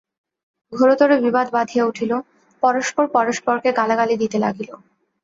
ঘোরতর বিবাদ বাধিয়া উঠিল, পরস্পর পরস্পরকে গালাগালি দিতে লাগিল।